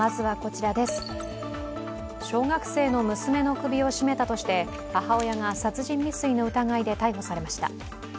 小学生の娘の首を絞めたとして母親が殺人未遂の疑いで逮捕されました。